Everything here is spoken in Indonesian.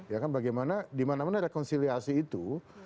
ya kan bagaimana di mana mana rekonsiliasi itu